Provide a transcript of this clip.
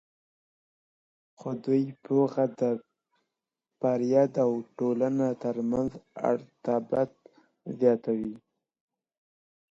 خود پوهه د فرد او ټولنې ترمنځ ارتباط زیاتوي.